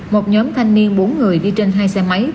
một nhóm thanh niên bốn người đi trên hai xe máy